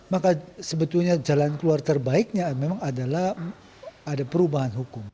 maka sebetulnya jalan keluar terbaiknya memang adalah ada perubahan hukum